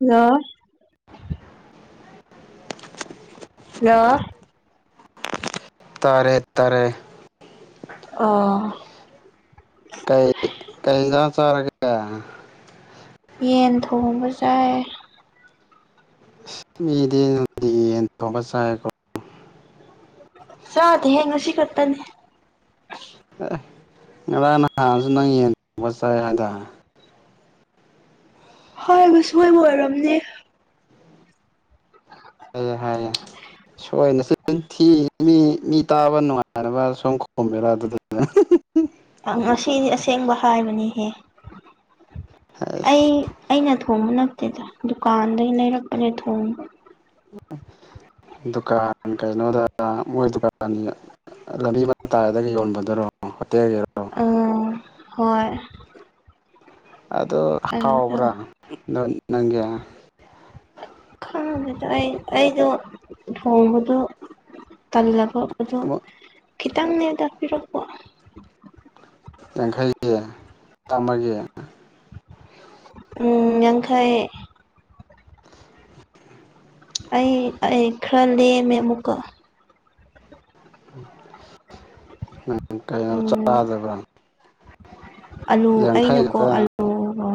ꯍꯂ ꯍꯜꯂꯣ ꯇꯔꯦꯠ ꯇꯔꯦ ꯑ ꯀꯩ ꯀꯩꯗ ꯆꯔꯒ ꯌꯦꯟ ꯊꯣꯡꯕ ꯌꯥꯏ ꯃꯤꯗꯤꯪꯗꯤ ꯌꯦꯟ ꯊꯣꯡꯕ ꯆꯥꯏꯀꯣ ꯆꯠ ꯍꯦ ꯉꯁꯤ ꯀꯇꯅꯦ ꯑꯦ ꯉꯔꯥꯡ ꯅꯍꯥꯟꯁꯨ ꯅꯪ ꯌꯦꯟꯕꯠ ꯆꯥꯏ ꯍꯥꯏꯗꯔꯦ ꯍꯣꯏ ꯃꯁꯣꯏꯕ ꯑꯣꯏꯔꯝꯅꯦ ꯍꯥꯏꯑꯦ ꯍꯥꯏꯑꯦ ꯁꯣꯏꯅꯁꯤ ꯌꯊꯤ ꯃꯤ ꯃꯤ ꯇꯥꯕ ꯅꯨꯡꯉꯥꯏꯔꯕ ꯁꯨꯝ ꯈꯣꯝꯃꯦꯔ ꯑꯗꯨꯗꯨ ꯉꯁꯤꯅꯤ ꯑꯁꯦꯡꯕ ꯍꯥꯏꯕꯅꯤꯍꯦ ꯑꯩ ꯑꯩꯁ ꯑꯩꯅ ꯊꯣꯡꯕ ꯅꯠꯇꯦꯗ ꯗꯨꯀꯥꯟꯗꯒꯤ ꯂꯩꯔꯛꯄꯅꯦ ꯊꯣꯡ [unintelligible] [inaudible] ꯗꯨꯀꯥꯟ ꯀꯩꯅꯣꯗ ꯃꯣꯏ ꯗꯨꯀꯥꯟꯅꯤ ꯂꯝꯕꯤ ꯑꯃ ꯇꯥꯔꯗꯒ ꯌꯣꯟꯕꯗꯨꯔꯣ ꯍꯣꯏ ꯑ ꯍꯣꯏ ꯑꯣ ꯑꯗꯨꯗ ꯍꯥꯎꯕ꯭ꯔꯥ ꯅꯪꯒꯤ ꯈꯥꯡꯉꯦꯗ ꯑꯩ ꯑꯩꯗꯣ ꯊꯣꯡꯕꯗꯣ ꯇꯜꯂꯒꯄꯗꯣ ꯈꯤꯇꯪꯅꯦ ꯇꯥꯛꯄꯤꯔꯛꯄ ꯌꯥꯡꯈꯩꯒꯤ ꯆꯥꯝꯃꯒꯤ ꯎꯝ ꯌꯥꯡꯈꯥꯏ ꯑꯩ ꯑꯩ ꯈꯔ ꯂꯦꯝꯃꯦ ꯑꯃꯨꯛꯀ ꯎꯝ ꯀꯩꯅꯣ ꯎꯝ ꯆꯥꯗꯕ꯭ꯔꯥ ꯑꯂꯨ ꯌꯥꯡꯈꯩ ꯑꯩꯅꯀꯣ ꯈꯛꯇ ꯑꯂꯨꯒ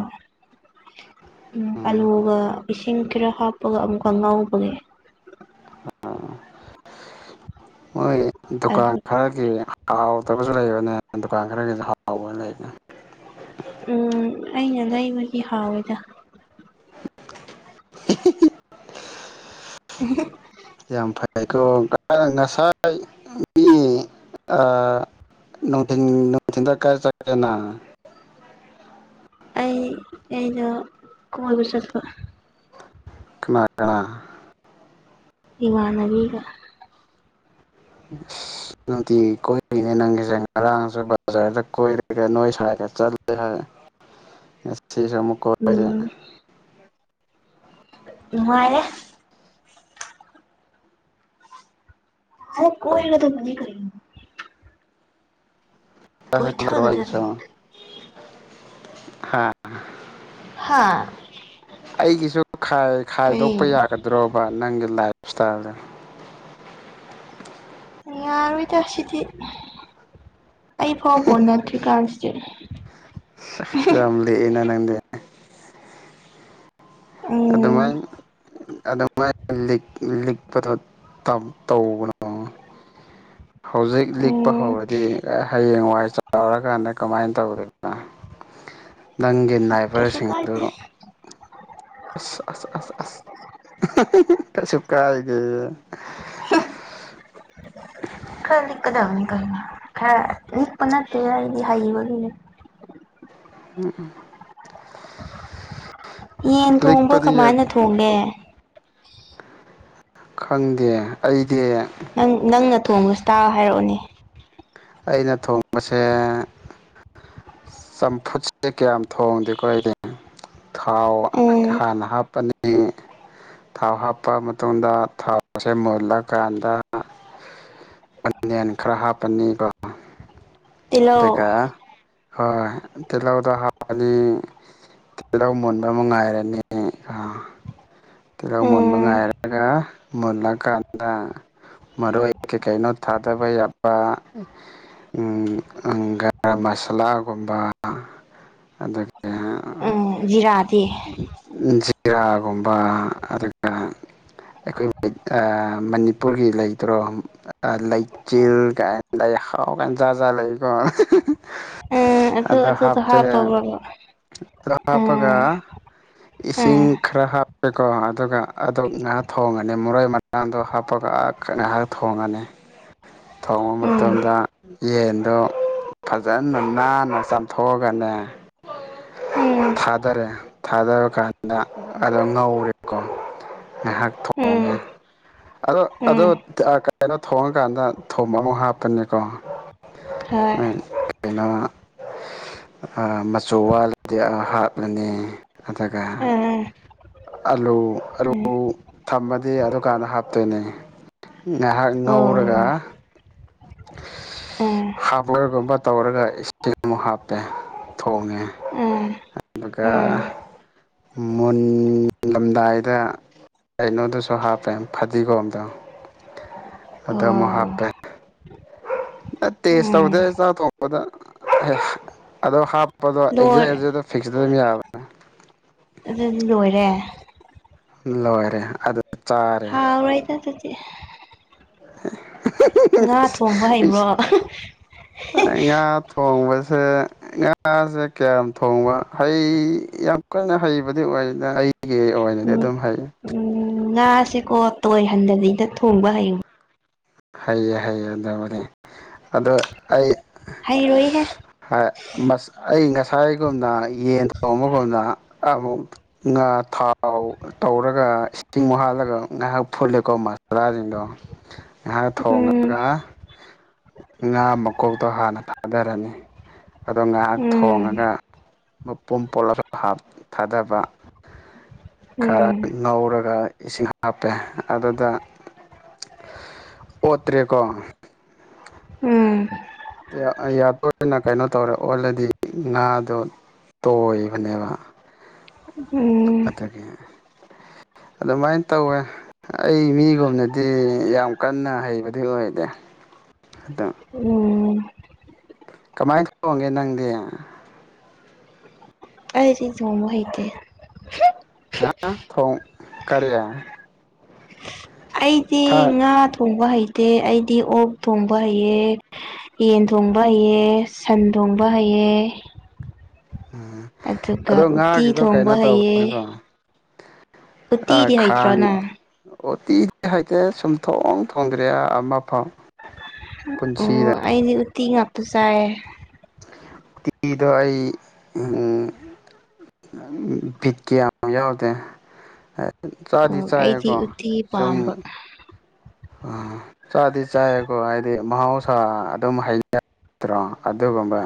ꯎꯝ ꯑꯂꯨꯒ ꯏꯁꯤꯡ ꯈꯔ ꯍꯥꯞꯄꯒ ꯑꯃꯨꯛꯀ ꯉꯥꯎꯕꯒꯤ ꯃꯣꯏ ꯗꯨꯀꯥꯟ ꯑꯗꯨ ꯈꯔꯒꯤ ꯍꯥꯎꯗꯕꯁꯨ ꯂꯩꯕꯅꯦ ꯗꯨꯀꯥꯟ ꯈꯔꯒꯤꯁꯨ ꯍꯥꯎꯕ ꯂꯩꯕꯅꯦ ꯎꯝ ꯑꯩꯅ ꯂꯩꯕꯒꯤ ꯍꯥꯎꯋꯤꯗ [unintelligible] [unintelligible] ꯌꯥ ꯑꯃꯐꯩ ꯑꯩꯀꯣ ꯀ ꯉꯁꯥꯏ ꯃꯤ ꯅꯣꯡꯊ ꯅꯅꯨꯡ ꯊꯤꯟꯗ ꯑꯦꯀꯥ ꯆꯀꯟꯅ ꯑꯩ ꯑꯩꯗ ꯀꯨꯝꯃꯩꯕꯨꯁꯗꯄ ꯀꯂꯥ ꯏ ꯋꯥ ꯅꯕꯤꯒ ꯎꯝ ꯅꯨꯡꯇꯤ ꯀꯣꯏꯗꯣꯏꯅꯦ ꯅꯪꯒꯤꯁꯦ ꯉꯔꯥꯡꯁꯨ ꯕꯖꯥꯔꯗ ꯀꯣꯏꯔꯒ ꯅꯣꯏ ꯁꯔꯒ ꯆꯠꯂꯦ ꯍꯥꯏ ꯁꯤꯁ ꯑꯃꯨꯀꯦ ꯅꯉꯥꯏꯦ ꯑꯗ ꯀꯣꯏ ꯅꯠꯇ ꯃꯅꯤ ꯀ ꯀꯁ ꯍꯥ ꯍꯥꯥ ꯑꯩꯒꯤꯁꯨ ꯈꯥꯏꯗꯣꯛꯄ ꯌꯥꯒꯗ꯭ꯔꯣꯕ ꯅꯪ ꯂꯁꯇꯥꯗꯦ ꯌꯥꯔꯨ ꯑꯣꯏꯇꯁꯤꯗꯤ ꯑꯩ ꯐꯥꯎ ꯀꯣꯟꯅꯠꯇ꯭ꯔꯤ ꯀꯥꯟꯁꯤ ꯌꯥꯝ ꯂꯤꯛꯏꯅ [unintelligible] ꯎꯝ ꯑꯗꯨꯃꯥꯏꯅ ꯑꯗꯨꯃꯥꯏꯅ ꯂꯤꯛꯄꯗꯣ ꯇꯧꯕꯅꯣ ꯑꯣ ꯍꯧꯖꯤꯛ ꯂꯤꯛꯄ ꯎꯝ ꯍꯧꯔꯗꯤ ꯍꯌꯦꯡ ꯋꯥꯏ ꯆꯥꯎꯔꯀꯥꯟꯗ ꯀꯃꯥꯏꯅ ꯇꯧꯗꯣꯏꯗꯅ ꯅꯪꯒꯤ ꯀꯩꯁꯨ ꯅꯥꯏꯕꯔꯁꯤꯡꯗꯨ ꯀꯥꯏꯗꯦ ꯑꯁ ꯑꯁ ꯑꯁ ꯑꯁ ꯀꯩꯁꯨ ꯀꯥꯗꯦ ꯈꯅꯤ ꯀꯗꯥ ꯀ ꯍ ꯄꯅꯠꯇ ꯍꯥꯏ ꯎꯝ ꯎꯝ ꯌꯦꯟ ꯊꯣꯡꯕ ꯂꯤꯛꯄꯗꯤ ꯀꯃꯥꯏꯅ ꯊꯣꯡꯒꯦ ꯈꯪꯗꯦ ꯑꯩꯗꯤ ꯅꯪ ꯅꯪꯅ ꯊꯣꯡꯕꯕꯁꯤ ꯇꯥ ꯍꯥꯏꯔꯛꯑꯣꯅꯦ ꯑꯩꯅ ꯊꯣꯡꯕꯁꯦ ꯆꯝꯐꯨꯠꯁꯦ ꯀꯌꯥꯝ ꯊꯣꯡꯗꯦꯀꯣ ꯑꯩꯗꯤ ꯊꯥꯎ ꯎꯝ ꯍꯥꯟꯅ ꯍꯥꯞꯄꯅꯤ ꯊꯥꯎ ꯍꯥꯞꯄ ꯃꯇꯨꯡꯗ ꯊꯥꯎꯁꯦ ꯃꯨꯜꯂꯀꯥꯟꯗ ꯑꯅꯤꯟ ꯈꯔ ꯍꯥꯞꯄꯅꯤꯕꯣ ꯏꯂꯧ ꯍꯣꯏ ꯇꯗ ꯍꯥ ꯑꯅꯤ ꯇꯤꯍꯧ ꯃꯨꯟꯕ ꯑꯃ ꯉꯥꯏꯔꯅꯤ ꯇꯤꯜꯍꯧ ꯃꯨꯟꯕ ꯎꯝ ꯉꯥꯏꯔꯒ ꯃꯨꯜꯂꯀꯥꯟꯗ ꯃꯔ ꯑꯩ ꯀꯩꯩꯅꯣ ꯊꯥꯗꯕꯩ ꯑ ꯒꯔꯝ ꯃꯁꯥꯂꯥꯒꯨꯝꯕ ꯑꯗꯨꯒꯗꯒꯤ ꯎꯝ ꯖꯤꯔꯥꯗꯤ ꯆꯤꯔꯥꯒꯨꯝꯕ ꯑꯗꯨꯒ ꯑꯩꯈꯣꯏ ꯃꯅꯤꯄꯨꯔꯒꯤ ꯂꯩꯇ꯭ꯔꯣ ꯂꯩꯆꯤꯜ ꯀ ꯂꯩꯍꯥꯎ ꯀꯥꯟꯖꯥꯠ ꯖ ꯂꯩꯀꯣ ꯎꯝ ꯑꯗꯨ ꯑꯗ ꯑꯗꯨꯗꯣ ꯍꯥꯞꯄꯦ ꯍꯥꯞꯄꯕ꯭ꯔꯕ ꯑꯣ ꯍꯥꯞꯄꯒ ꯎꯝ ꯏꯁꯤꯡ ꯎꯝ ꯈꯔ ꯍꯥꯞ ꯀꯣ ꯑꯗꯨꯒ ꯑꯗꯨ ꯉꯥꯏꯍꯥꯛ ꯊꯣꯡꯉꯅꯤ ꯃꯣꯔꯩ ꯃꯔꯥꯡꯗꯣ ꯍꯥꯞꯄꯒ ꯉꯥꯏꯍꯥꯛ ꯊꯣꯡꯉꯅꯤ ꯊꯣꯡꯕ ꯎꯝ ꯃꯇꯝꯗ ꯌꯦꯟꯗꯣ ꯐꯖꯅ ꯅꯥꯟꯅ ꯆꯥꯝꯊꯣꯛꯑꯒꯅꯦ ꯎꯝ ꯊꯥꯗꯔꯦ ꯊꯥꯗꯕ ꯀꯥꯟꯗ ꯑꯣ ꯉꯧꯔꯦ ꯅꯥꯏꯍꯥꯛ ꯊꯣꯡꯅꯦ [unintelligible] [inaudible] ꯑꯗꯣ ꯎꯝ ꯑꯣ ꯀꯩꯅꯣ ꯊꯣꯡꯉꯀꯥꯟꯗ ꯊꯣꯕ ꯑꯃꯨꯛ ꯍꯥꯞꯄꯅꯤꯀꯣ ꯍꯣꯏ ꯂꯩꯅ ꯃꯆꯨ ꯋꯥꯜꯂꯗꯤ ꯍꯥꯞꯂꯅꯤ ꯑꯗꯨꯒ ꯎꯝ ꯑꯜꯂꯣ ꯑꯂꯣ ꯎꯝ ꯊꯝꯃꯗꯤ ꯑꯗꯨꯀꯥꯟꯗ ꯍꯥꯞꯇꯣꯏꯅꯤ ꯉꯥꯏꯍꯥꯛ ꯉꯧꯔꯒ ꯑꯣ [unintelligible] [inaudible] ꯍꯥꯞꯄꯒꯨꯝꯕ ꯇꯧꯔꯒ ꯏꯁꯤꯡ ꯑꯃꯨꯛ ꯍꯥꯞꯄꯦ ꯊꯣꯡꯉꯦ ꯎꯝ ꯑꯗꯨꯒ ꯎꯝ ꯃꯨꯟꯂꯝꯗꯥꯏꯗ ꯀꯩꯅꯣꯗꯨꯁꯨ ꯍꯥꯞꯄꯦ ꯐꯗꯤꯒꯣꯝꯗꯣ ꯑꯗ ꯑꯃꯨꯛ ꯑꯣ ꯍꯥꯞꯄꯦ ꯅ ꯇꯦꯁ ꯎꯝ ꯇꯧꯗꯦ ꯆꯊꯣꯛꯄꯗ ꯑꯗꯣ ꯍꯥ ꯂꯣꯏ ꯑꯦꯛꯖ ꯐꯤꯁꯕ ꯑꯗꯨ ꯂꯣꯏꯔꯦ ꯂꯣꯏꯔꯦ ꯑꯗꯨ ꯆꯥꯔꯦ ꯍꯥꯎꯔꯍꯤ ꯇ ꯇꯆ ꯊꯣꯡꯕ ꯍꯩꯕ꯭ꯔꯣ ꯌꯥ [inaudible] [unintelligible] ꯊꯣꯡꯕꯁꯦ ꯉꯥꯁꯦ ꯀꯌꯥꯝ ꯊꯣꯡꯕ ꯍꯩ ꯌꯥꯝ ꯀꯟꯅ ꯍꯩꯕꯗꯤ ꯑꯣꯏ ꯑꯩꯒꯤ ꯑꯣꯏꯅꯗꯤ ꯑꯗꯨꯝ ꯍꯩ ꯎ ꯉꯥꯁꯦꯀꯣ ꯇꯣꯏꯍꯟꯗꯕꯤꯩꯗ ꯊꯣꯡꯕ ꯍꯩꯌꯨ ꯍꯩꯌꯦ ꯍꯩꯌꯦ ꯑꯗꯨꯕꯨꯗꯤ ꯑ ꯑꯩ ꯍꯩꯔꯣꯏꯍꯦ ꯍꯁ ꯑꯩ ꯉꯁ ꯉꯥꯏꯒꯨꯝꯅ ꯌꯦꯟ ꯊꯣꯡꯕꯒꯨꯝꯅ ꯑꯃꯨꯛ ꯉꯥ ꯊꯥꯎ ꯇꯧꯔꯒ ꯏꯁꯤꯡꯨ ꯍꯥꯜꯂꯒ ꯉꯥꯏꯍꯥꯛ ꯐꯨꯠꯂꯦꯀꯣ ꯃꯁꯣꯔꯥꯁꯤꯡꯗꯣ ꯉꯥꯏꯍꯥꯛ ꯎꯝ ꯊꯣꯡꯉꯒ ꯉꯥ ꯃꯀꯣꯛꯇꯣ ꯍꯥꯟꯅ ꯊꯥꯗꯔꯅꯤ ꯑꯗꯣ ꯉꯥꯏꯍꯥꯛ ꯎꯝ ꯊꯣꯡꯉꯒ ꯃꯄꯨꯝ ꯄꯣꯠꯂꯞ ꯊꯥꯗꯕ ꯈꯔ ꯎꯝ ꯉꯧꯔꯒ ꯏꯁꯤꯡ ꯍꯥꯞꯄꯦ ꯑꯗꯨꯗ [unintelligible] [inaudible] ꯑꯣꯠꯇ꯭ꯔꯦꯀꯣ ꯎꯝ ꯌꯥꯗꯣꯏꯅ ꯀꯩꯅꯣ ꯇꯧꯔꯦ ꯑꯣꯜꯂꯦꯗꯤ ꯉꯥꯗꯣ ꯇꯣꯏꯕꯅꯦꯕ ꯎꯝ ꯑꯗꯨꯒꯤ [unintelligible] [inaudible] ꯑꯗꯨꯃꯥꯏꯅ ꯇꯧꯋꯦ ꯑꯩ ꯃꯤꯒꯨꯝꯅꯗꯤ ꯌꯥꯝ ꯀꯟꯅ ꯍꯩꯕꯗꯤ ꯑꯣꯏꯗꯦ ꯑꯗ ꯎꯝ ꯀꯃꯥꯏꯅ ꯇꯧꯒꯦ ꯅꯪꯗꯤ ꯑꯩꯗꯤ ꯊꯣꯡꯕ ꯍꯩꯇꯦ ꯍꯨꯡꯛ꯫ ꯉꯥ ꯊꯣꯡ ꯀꯔꯤ꯫ ꯑꯩꯗꯤ ꯉꯥ ꯊꯣꯡꯕ ꯍꯩ ꯇꯦ ꯑꯩꯗꯤ ꯑꯣꯛ ꯊꯣꯡꯕ ꯍꯩꯌꯦ ꯌꯦꯟ ꯊꯣꯡꯕ ꯍꯩꯌꯦ ꯁꯟ ꯊꯣꯡꯕ ꯍꯩꯌꯦ ꯌꯦ ꯎꯝ ꯑꯗꯣ ꯉꯥꯒꯤꯗꯣ ꯀꯩꯅꯣ ꯊꯣꯡꯕ ꯇꯧ [unintelligible] ꯍꯩꯌꯦ ꯅꯤꯀꯣ ꯑ ꯎꯇꯤꯗꯤ ꯍꯩꯇ꯭ꯔꯣ ꯈꯥꯡ ꯅꯪ ꯑꯣꯇꯤ [inaudible] ꯍꯩꯇꯦ ꯁꯨꯝꯊꯣꯡ ꯊꯣꯡꯗ꯭ꯔꯦ ꯑꯃꯐꯧ꯫ ꯑꯣ ꯑꯩꯗꯤ ꯎꯇꯤ ꯉꯥꯛꯇ ꯆꯥꯢꯌꯦ꯫ [unintelligible] ꯑꯩ ꯑꯨꯡ ꯎꯝ ꯚꯤꯠ ꯀ ꯌꯥꯝ ꯌꯥꯎꯗꯦ꯫ ꯆꯥꯗꯤ ꯑꯣ ꯑꯩꯗꯤ ꯆꯥꯏꯌꯦꯀꯣ ꯎꯇꯤ ꯁꯨꯝ ꯄꯥꯝꯕ ꯑ ꯆꯥꯗꯤ ꯆꯥꯌꯦꯀꯣ ꯍꯥꯏꯗꯤ ꯃꯍꯧꯁꯥ ꯑꯗꯨꯝ ꯍꯩ [inaudible] ꯇ꯭ꯔꯣ ꯑꯗꯨꯒꯨꯝꯕ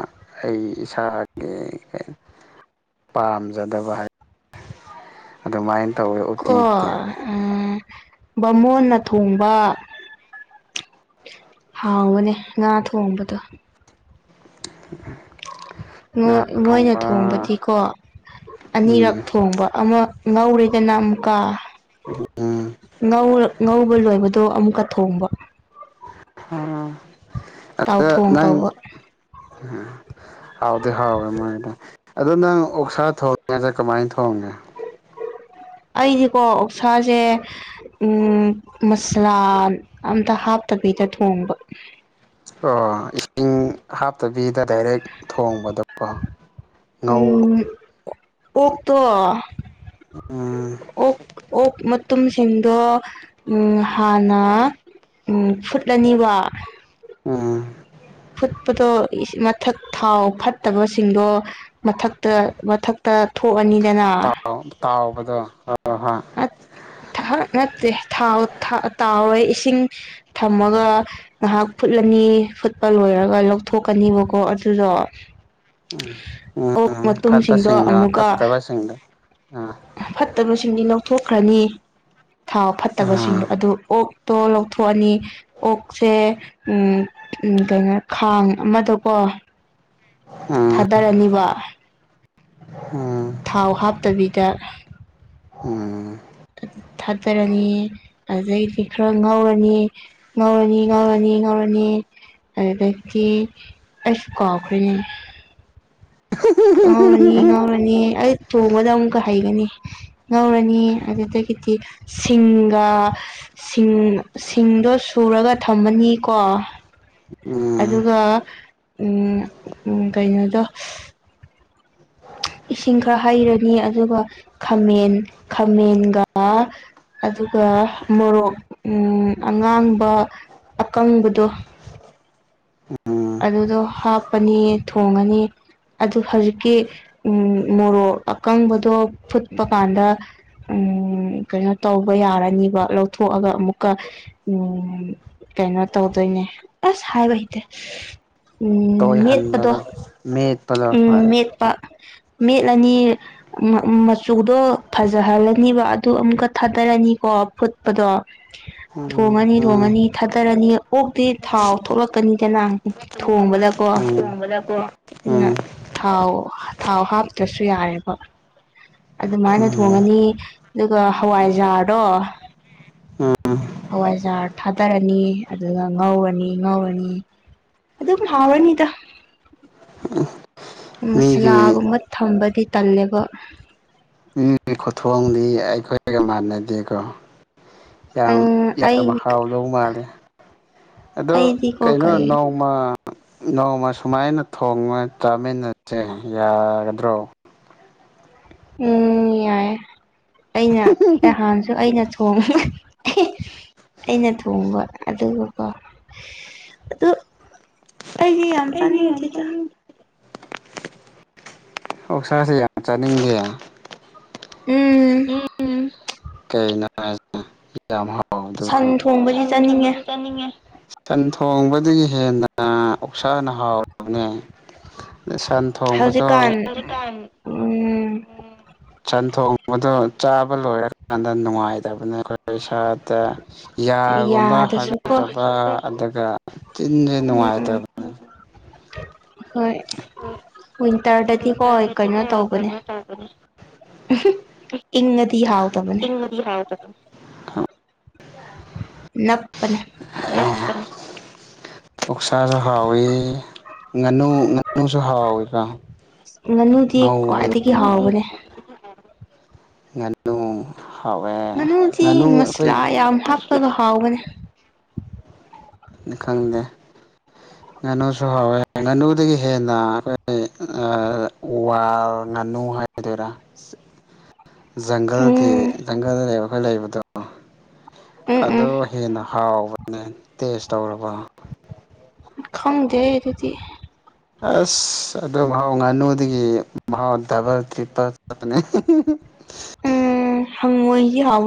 ꯑꯩ ꯏꯁꯥꯒꯤ [inaudible] ꯄꯥꯝꯖꯗꯕ ꯍꯥꯏꯠ ꯑꯗꯨꯃꯥꯏꯟ ꯀꯣ ꯎꯝ ꯕꯥꯃꯣꯟꯅ ꯊꯣꯡꯕ ꯍꯥꯎꯕꯅꯦ ꯉꯥ ꯊꯣꯡꯕꯗꯣ꯫ [inaudible] ꯉꯥ ꯃꯣꯢ ꯃꯣꯢꯅ ꯊꯣꯡꯕ ꯊꯣꯡꯕꯗꯤꯀꯣ ꯑꯅꯤꯔꯛ ꯎꯝ ꯊꯣꯡꯕ ꯑꯃ ꯉꯧꯔꯦꯗꯅ ꯑꯃꯨꯛꯀ ꯎꯝ ꯉꯧꯔ ꯉꯧꯕ ꯂꯣꯏꯕ ꯗꯣ ꯑꯃꯨꯛꯀ ꯊꯣꯡꯕ꯫ ꯑꯥ ꯇꯥꯎꯊꯣꯡ ꯇꯧꯕ꯫ [unintelligible] ꯍꯥꯎꯗꯤ ꯍꯥꯎꯋꯦ ꯃꯣꯏꯗꯣ ꯑꯗꯣ ꯅꯪ ꯑꯣꯛꯁꯥ ꯊꯣꯡꯉꯗꯤ ꯀꯃꯥꯏ ꯊꯣꯡꯉꯤ꯫ [inaudible] ꯑꯩꯗꯤꯀꯣ ꯑꯣꯛꯁꯥꯁꯦ ꯎꯝ ꯃꯁꯂꯥ ꯑꯝꯇ ꯍꯥꯞ ꯇꯕꯤꯗ ꯊꯣꯡꯕ꯫ ꯑꯣ ꯏꯁꯤꯡ ꯍꯥꯞꯇꯕꯤꯗ ꯗꯥꯏꯔꯦꯛ ꯊꯣꯡꯕ ꯎꯝ ꯎꯠꯇꯣ ꯎꯝ ꯑꯣꯛ ꯑꯣꯛ ꯃꯇꯨꯝ ꯁ [unintelligible] ꯎꯝ ꯍꯥꯟꯅ ꯎꯝ ꯐꯨꯠꯂꯅꯤꯕ ꯑꯨꯡ꯫ ꯐꯨꯠꯄꯗꯣ ꯏꯁ ꯃꯊꯛ ꯊꯥꯎ ꯐꯠꯇꯕꯁꯤꯡꯗꯣ ꯃꯊꯛꯇ ꯃꯊꯛ ꯑꯥ ꯊꯣꯛꯑꯅꯤ ꯇꯥꯎ ꯇꯥꯎꯕꯗꯣ [unintelligible] ꯊꯥꯛ ꯅꯠꯇꯦ ꯊꯥꯎ ꯊꯥ ꯇꯥꯎꯔꯣꯢ ꯏꯁꯤꯡ ꯊꯝꯃꯒ ꯉꯥꯍꯥꯛ ꯐꯨꯠꯂꯅꯤ ꯐꯨꯠꯄ ꯂꯣꯏꯔꯒ ꯂꯧꯊꯣꯛꯀꯅꯤꯕꯀꯣ ꯑꯗꯨꯗꯣ ꯑꯣꯛ ꯎꯝ ꯃꯇꯨꯝꯁꯤꯡꯗꯣ ꯐꯠꯄꯁꯤꯡꯗꯣ ꯑꯃꯨꯛꯀ ꯐꯠꯇꯕꯁꯤꯡꯗꯣ ꯑꯥ ꯐꯠꯇꯕꯁꯤꯡꯗꯤ ꯂꯧꯊꯣꯛ ꯈ꯭ꯔꯅꯤ ꯊꯥꯎ ꯐꯠꯇꯕꯁꯤꯡ ꯑꯥ ꯑꯗꯨ ꯑꯣꯛ ꯇꯣ ꯂꯧꯊꯣꯛꯑꯅꯤ ꯑꯣꯛꯁꯦ ꯎ ꯎ ꯀꯩꯅꯣ ꯈꯥꯡ ꯑꯃꯗꯀꯣ ꯑ ꯎꯝ ꯊꯥꯗꯔꯅꯤꯕ ꯎꯝ ꯊꯥꯎ ꯍꯥꯞꯇꯕꯤꯗ꯫ ꯎꯝ ꯑꯗ ꯊꯥꯗꯔꯅꯤ ꯑꯗꯩꯗꯤ ꯈꯔ ꯉꯧꯔꯅꯤ ꯉꯧꯔꯅꯤ ꯉꯧꯔꯅꯤ- ꯉꯧꯔꯅꯤ ꯑꯗꯒꯤ ꯑꯩꯁꯨ ꯀꯥꯎꯈ꯭ꯔꯦꯅꯦ꯫ ꯉꯧꯔꯅꯤ ꯉꯧꯔꯅꯤ ꯑꯩ ꯊꯣꯡꯕꯗ ꯑꯃꯨꯛꯀ ꯍꯩꯒꯅꯤ ꯉꯧꯔꯅꯤ ꯑꯗꯨꯗ [unintelligible] ꯁꯤꯡꯒ ꯁꯤꯡ ꯁꯤꯡꯗꯣ ꯁꯨꯔꯒ ꯊꯝꯃꯅꯤꯀꯣ ꯎꯝ ꯑꯗꯨꯒ ꯎꯝ ꯎꯝ ꯀꯩꯅꯣꯗꯣ ꯁꯤꯖ ꯏꯁꯤꯡ ꯈꯔ ꯍꯩꯔꯅꯤ ꯑꯗꯨꯒ ꯈꯥꯃꯦꯟ ꯈꯥꯃꯦꯟꯒ ꯑꯗꯨꯒ ꯃꯣꯔꯣꯛ ꯑꯉꯥꯡꯕ ꯑꯀꯪꯕꯗꯣ ꯎ ꯎꯝ ꯑꯗꯨꯗꯣ ꯍꯥꯞꯄꯅꯤ ꯊꯣꯡꯉꯅꯤ ꯑꯗꯨ ꯍꯧꯖꯤꯛꯀꯤ ꯎ ꯃꯣꯔꯣꯛ ꯑꯀꯪꯕꯗꯣ ꯐꯨꯠꯄ ꯀꯥꯟꯗ ꯀꯩꯅꯣ ꯇꯧꯕ ꯌꯥꯔꯅꯤꯕ ꯂꯧꯊꯣꯛꯑꯒ ꯑꯃꯨꯛꯀ ꯀꯩꯅꯣ ꯇꯧꯗꯣꯏꯅꯦ ꯑꯁ ꯍꯥꯏꯕ ꯍꯇꯦ ꯎꯝ ꯃꯦꯠꯄꯗꯣ ꯇꯣꯏꯍꯟꯕꯗꯣ ꯃꯦꯠꯄꯗꯣ ꯍꯣꯏ ꯎꯝ ꯃꯦꯠꯄ ꯃꯦꯠꯂꯅꯤ ꯃꯆꯨꯗꯣ ꯐꯖꯍꯜꯂꯅꯤꯕ ꯑꯗꯨ ꯑꯃꯨꯛꯀ ꯊꯥꯗꯔꯅꯤ ꯑꯅꯤꯀꯣ ꯐꯨꯠꯄꯗꯣ ꯎꯝ ꯊꯣꯡꯉꯅꯤ ꯎꯝ ꯊꯣꯡꯉꯅꯤ ꯊꯥꯗꯔꯅꯤ ꯑꯣꯛꯇꯛꯇꯤ ꯊꯥꯎ ꯊꯣꯛꯂꯛꯀꯅꯤ ꯀꯅꯥ ꯊꯣꯡꯕꯗꯀꯣ ꯃꯂ ꯀꯣ ꯑꯗꯨꯩꯅ ꯊꯥꯎ ꯊꯥꯎ ꯍꯥꯞꯇ꯭ꯔꯁꯨ ꯌꯥꯔꯦꯕ ꯑꯗꯨꯃꯥꯏꯅ ꯎꯝ ꯊꯣꯡꯉꯅꯤ ꯑꯗꯨꯒ ꯍꯋꯥꯏꯖꯥꯔꯗꯣ ꯎꯝ ꯍꯋꯥꯏꯖꯥꯔ ꯊꯥꯗꯔꯅꯤ ꯑꯗꯨꯒ ꯉꯧꯔꯅꯤ ꯉꯧꯔꯅꯤ ꯑꯗ ꯂꯥꯕꯤꯗ ꯃꯤꯒꯤ ꯃꯁꯥꯂꯥꯒꯨꯝꯕ ꯊꯝꯕꯗꯤ ꯇꯜꯂꯦꯕ ꯑꯩꯒꯤ ꯈꯨꯊꯣꯡꯗꯤ ꯑꯩꯈꯣꯏꯒ ꯃꯥꯟꯅꯗꯦꯀꯣ ꯌꯥꯝ ꯌꯥꯝ ꯑꯩ ꯍꯥꯎꯗꯧꯕ ꯃꯥꯜꯂꯦ ꯑꯗꯣ ꯑꯩꯗꯤꯀꯣ ꯀꯩꯅꯣ ꯀꯩ ꯅꯣꯡꯃ ꯅꯣꯡꯃ ꯁꯨꯃꯥꯏꯅ ꯊꯣꯡꯉ ꯆꯥꯃꯤꯟꯅꯁꯦ ꯌꯥꯒꯗ꯭ꯔꯣ ꯎꯝ ꯌꯥꯏꯦ ꯑꯩꯅ ꯅꯍꯥꯟꯁꯨ ꯑꯩꯅ ꯍ ꯑꯩꯅ ꯊꯣꯡꯕ ꯑꯗꯨꯒꯀꯣ ꯑꯗꯨ ꯑꯩꯗꯤ ꯌꯥꯝ ꯑꯩꯗꯤ ꯔꯅꯤꯡ ꯌꯥꯝ ꯊꯇ ꯆꯥꯅꯤꯡ ꯑꯣꯁꯔꯁꯤ ꯆꯥ ꯂꯩ ꯎꯝ ꯀꯩ ꯌꯥꯝ ꯍꯥꯎ ꯑꯗꯨ ꯁꯟ ꯊꯣꯡꯕꯗꯤ ꯁꯟ ꯆꯥꯅꯤꯡꯉꯦ ꯊꯣꯡꯕꯗꯤ ꯆꯥꯅꯤꯡꯉꯦ ꯁꯟ ꯊꯣꯡꯕꯗꯒꯤ ꯍꯦꯟꯅ ꯑꯣꯛꯁꯅ ꯍꯥꯎꯔꯕꯅꯦ ꯑ ꯁꯟ ꯊꯣꯡꯕꯗꯣ ꯍꯧꯖꯤꯛꯀꯥꯟ ꯎꯝ ꯁꯟ ꯊꯣꯡꯕꯗꯣ ꯆꯥꯕ ꯂꯣꯏꯔꯀꯥꯟꯗ ꯅꯨꯡꯉꯥꯏꯇꯕꯅꯦ ꯑꯩꯈꯣꯏ ꯏꯁꯥ ꯌꯥꯒꯨꯝꯕ ꯌꯥꯗꯁꯨꯀꯣ ꯍꯥꯕ ꯑꯗꯨꯒ ꯆꯤꯟꯁꯦ ꯎꯝ ꯎꯝ ꯅꯨꯡꯉꯥꯏꯇꯕꯅꯦ ꯍꯣꯏ ꯋꯤꯟꯇꯔꯗꯗꯤꯀꯣꯏ ꯋꯤꯟꯇꯔꯗꯗꯤꯀꯣ ꯀꯩꯅꯣ ꯇꯧꯕꯅꯦ ꯀꯩꯅꯣ ꯇꯧꯕꯅꯦ ꯏꯅꯗꯤ ꯍꯥꯥꯎ ꯏꯗꯤ ꯍꯥꯏ ꯇꯗ ꯅꯄꯅ ꯎꯛꯁꯥꯁꯨ ꯍꯥꯎꯋꯤ ꯉꯥꯅꯨ ꯉꯥꯅꯨꯁꯨ ꯍꯥꯎꯋꯤꯀꯣ ꯉꯥꯅꯨꯗꯤ ꯉꯧꯕꯗꯣ ꯈ꯭ꯋꯥꯏꯗꯒꯤ ꯉꯥꯅꯨ ꯍꯥꯎꯕꯅꯦ ꯉꯥꯅꯨ ꯍꯥꯎꯋꯦ ꯉꯥꯅꯨꯗꯤ ꯉꯥꯅꯨ ꯑꯩꯈꯣꯏ ꯃꯁꯂꯥ ꯌꯥꯝ ꯍꯥꯞꯄꯒ ꯍꯥꯎꯕꯅꯦ ꯈꯪꯗꯦ ꯉꯥꯅꯨꯁꯨ ꯍꯥꯎꯋꯦ ꯉꯥꯅꯨꯗꯒꯤ ꯍꯦꯟꯅ ꯑꯩꯈꯣꯏ ꯎ ꯉ ꯅꯨꯡ ꯍꯥꯏꯒꯗꯣꯏꯔꯥ [inaudible] ꯖꯪꯒꯜꯒꯤ ꯎꯝ ꯖꯪꯒꯜꯗ ꯂꯩ ꯑꯩꯈꯣꯏ ꯂꯩꯕꯗꯣ ꯎꯝ ꯎꯝ ꯑꯣ ꯍꯦꯟꯅ ꯍꯥꯎꯕꯅꯦ ꯇꯦꯁ ꯇꯧꯔꯕ ꯈꯪꯗꯦ ꯑꯗꯨꯗꯤ ꯑꯁ ꯑꯗꯨꯣ ꯃꯍꯥꯎ ꯉꯥꯅꯨꯗꯒꯤ ꯃꯍꯥꯎ ꯗꯕꯜ ꯇ꯭ꯔꯤꯄꯜ ꯆꯠꯄꯅꯤ ꯎꯝ ꯍꯪꯅꯣꯏꯒꯤ ꯍꯥꯎꯕ